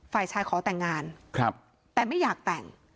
ฝ่ายชายขอแต่งงานแต่ไม่อยากแต่ง